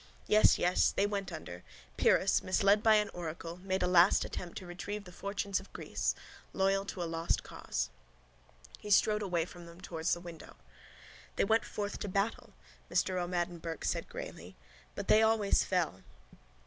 Yes, yes. They went under. Pyrrhus, misled by an oracle, made a last attempt to retrieve the fortunes of Greece. Loyal to a lost cause. He strode away from them towards the window. —They went forth to battle, Mr O'Madden Burke said greyly, but they always fell.